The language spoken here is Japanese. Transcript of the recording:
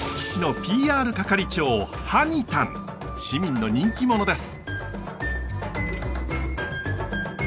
市民の人気者です。